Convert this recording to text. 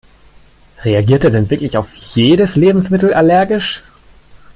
Reagiert er denn wirklich auf jedes Lebensmittel allergisch?